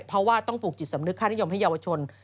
เพราะว่าต้องปลูกจิตสำนึกค่านิยมให้เยาวชน